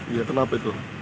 iya kenapa itu